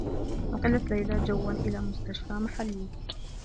نُقِلت ليلى جوّا إلى مستشفى محلّي.